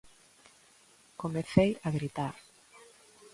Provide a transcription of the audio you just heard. Comecei a gritar.